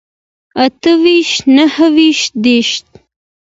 اته ويشت نهه ويشت دېرش